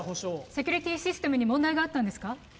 セキュリティーシステムに問題があったんですか？